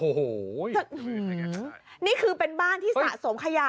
โอ้โหนี่คือเป็นบ้านที่สะสมขยะ